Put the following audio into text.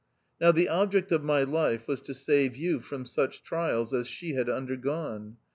Now, the object of my life was to save you from such trials as she had undergone.